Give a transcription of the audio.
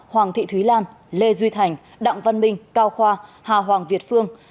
hoàng thị thúy lan lê duy thành đặng văn minh cao khoa hà hoàng việt phương